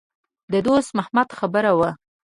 د دوست محمد خبره وه.